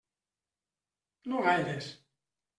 No gaires.